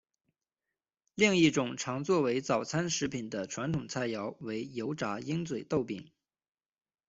另一种常作为早餐食品的传统菜肴为油炸鹰嘴豆饼。